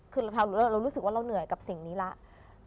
คือเรารู้สึกว่าเราเหนื่อยกับสิ่งนี้แล้ว